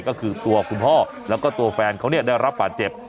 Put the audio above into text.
ก็คือตัวคุณพ่อและก็ตัวแฟนเขาเนี่ยได้รับฝ่าเจ็บ